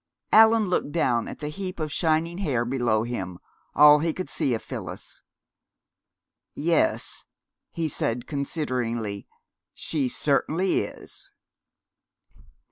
Allan looked down at the heap of shining hair below him, all he could see of Phyllis. "Yes," he said consideringly. "She certainly is."